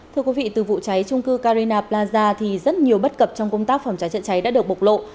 thưa quý vị từ vụ cháy trung cư carina plaza thì rất nhiều bất cập trong công tác phòng cháy chữa cháy đã được bộc lộ